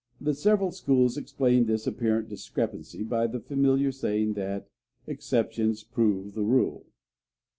The several schools explain this apparent discrepancy by the familiar saying that "exceptions prove the rule."